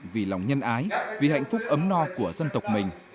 vì lòng nhân ái vì hạnh phúc ấm no của dân tộc mình